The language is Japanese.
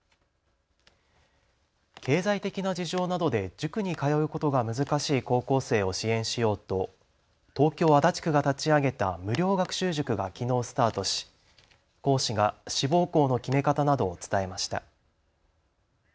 経済的な事情などで塾に通うことが難しい高校生を支援しようと、東京足立区が立ち上げた無料学習塾がきのうスタートし講師が志望校の決め方などを伝えました。